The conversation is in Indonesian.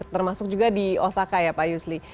termasuk juga di osaka ya pak yusli